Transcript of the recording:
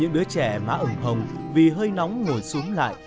những đứa trẻ má ẩm hồng vì hơi nóng ngồi xuống lại